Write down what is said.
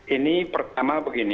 ini pertama begini